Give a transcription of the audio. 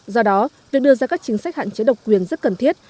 do đó việc đưa ra các chính sách hạn chế độc quyền rất cần thiết